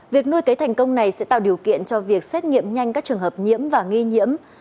việc nuôi cấy thành công này sẽ tạo điều kiện cho việc xét nghiệm nhanh các trường hợp nhiễm và nghi nhiễm